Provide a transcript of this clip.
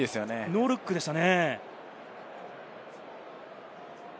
ノールックでした。